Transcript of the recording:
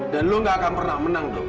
dan lo nggak akan pernah menang dok